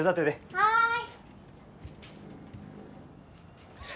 はい！